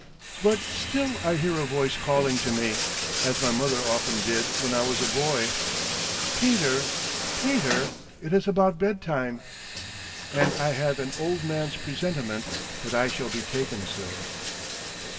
But still I hear a voice calling to me, as my mother often did, when I was a boy 'Peter, Peter, it is about bed time,' and I have an old man's presentiment that I shall be taken soon."